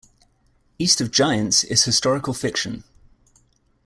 "East of Giants" is historical fiction.